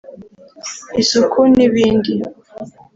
isuku n’ibindi